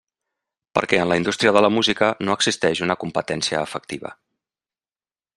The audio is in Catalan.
Perquè en la indústria de la música no existeix una competència efectiva.